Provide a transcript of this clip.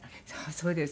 そうです。